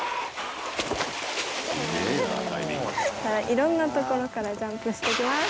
色んなところからジャンプしていきます。